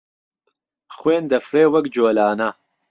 خوێن دهفرێ وەک جۆلانه